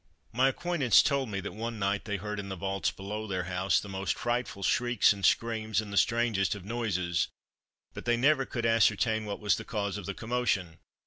My acquaintance told me that one night they heard in the vaults below their house the most frightful shrieks and screams, and the strangest of noises, but they never could ascertain what was the cause of the commotion.